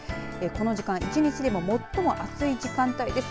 この時間１日で最も暑い時間帯です。